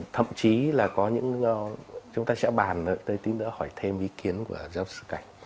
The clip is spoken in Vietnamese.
thậm chí là có những chúng ta sẽ bàn nữa tôi tí nữa hỏi thêm ý kiến của giáo sư cảnh